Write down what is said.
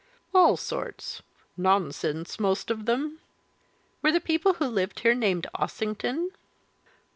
"All sorts nonsense, most of them." "Were the people who lived here named Ossington?"